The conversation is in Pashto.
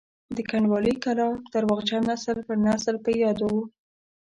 د کنډوالې کلا درواغجن نسل پر نسل په یادو وو.